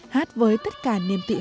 hát với tất cả niềm tự hát